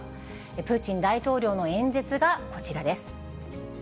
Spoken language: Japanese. プーチン大統領の演説がこちらです。